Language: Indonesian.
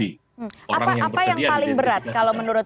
apa yang paling berat kalau menurut